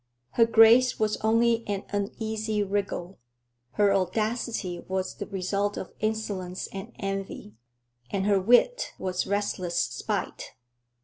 Her grace was only an uneasy wriggle, her audacity was the result of insolence and envy, and her wit was restless spite.